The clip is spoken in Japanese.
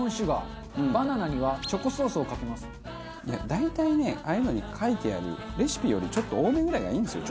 大体ねああいうのに書いてあるレシピよりちょっと多めぐらいがいいんですよ